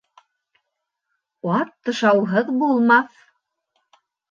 Ат тышауһыҙ булмаҫ